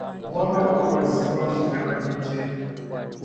Obwakabaka bwazzibwawo mu myaka gy'ekyenda.